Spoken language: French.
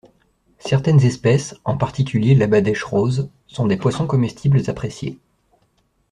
Certaines espèces, en particulier l'Abadèche rose, sont des poissons comestibles appréciés.